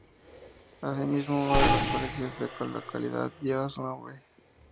Asimismo, uno de los colegios de la localidad lleva su nombre.